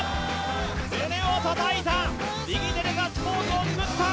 胸をたたいた、右手でガッツポーズをつくった！